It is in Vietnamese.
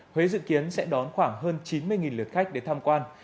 huế dự kiến sẽ đón khoảng hơn chín mươi lượt khách đến tham quan